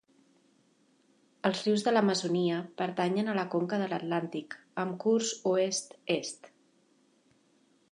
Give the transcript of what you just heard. Els rius de l'Amazònia pertanyen a la conca de l'Atlàntic, amb curs oest-est.